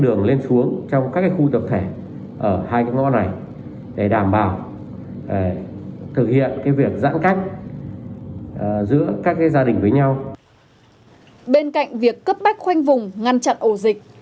bên cạnh việc cấp bách khoanh vùng ngăn chặn ổ dịch